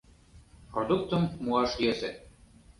Продуктым муаш йӧсӧ...